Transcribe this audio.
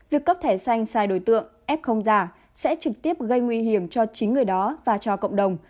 việc cấp thẻ xanh sai đối tượng f giả sẽ trực tiếp gây nguy hiểm cho chính người đó và cho cộng đồng